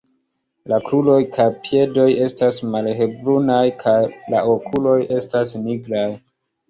La kruroj kaj piedoj estas malhelbrunaj kaj la okuloj estas nigraj.